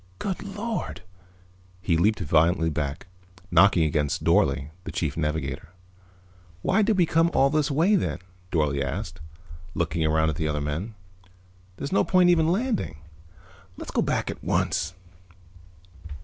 "Good Lord!" He leaped violently back, knocking against Dorle, the Chief Navigator. "Why did we come all this way, then?" Dorle asked, looking around at the other men. "There's no point even in landing. Let's go back at once."